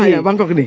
ah ya bangkok nih